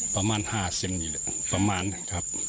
ประมาณ๕เซมติสินตอบ